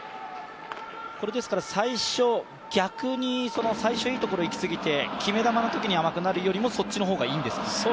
逆に最初にいいところにいきすぎて、決め球のときに甘くなるよりもそっちの方がいいんですか？